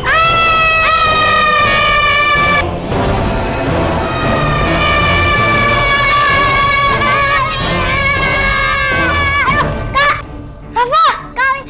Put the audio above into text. kali ternyata aku kali